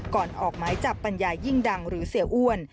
ออกหมายจับปัญญายิ่งดังหรือเสียอ้วน